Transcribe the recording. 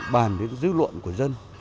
bàn đến dư luận của dân